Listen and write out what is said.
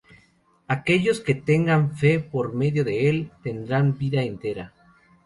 Aquellos que tengan fe por medio de Él, tendrán vida eterna.